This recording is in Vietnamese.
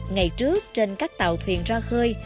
ngày trước trên các tàu thuyền ra khơi